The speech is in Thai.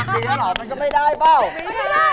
ดีกันเหรอมันก็ไม่ดายเปล่า